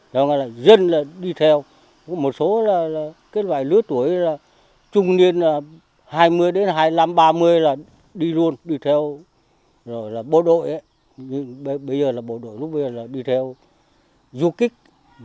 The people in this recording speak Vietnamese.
rồi là dân đi theo một số là cái loại lứa tuổi là trung niên là hai mươi đến hai mươi năm ba mươi là đi luôn đi theo rồi là bộ đội bây giờ là bộ đội lúc bây giờ là đi theo du kích